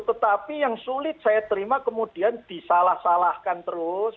tetapi yang sulit saya terima kemudian disalah salahkan terus